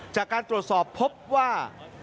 จากการตรวจสอบพบว่า